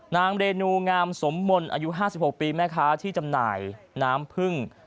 นางเรนูงามสมมนต์อายุ๕๖ปีแม่ค้าที่จำหน่ายน้ำพึ่ง